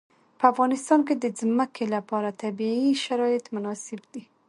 په افغانستان کې د ځمکه لپاره طبیعي شرایط مناسب دي.